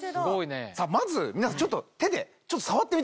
まず皆さんちょっと手で触ってみてください。